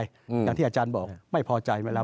อย่างที่อาจารย์บอกไม่พอใจไปแล้ว